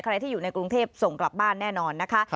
ที่อยู่ในกรุงเทพส่งกลับบ้านแน่นอนนะคะ